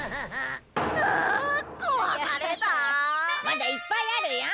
まだいっぱいあるよ。